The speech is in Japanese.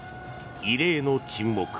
異例の沈黙。